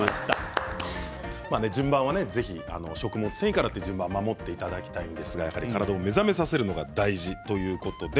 順番は、ぜひ食物繊維からという順番は守っていただきたいんですが、体を目覚めさせるのが大事ということです。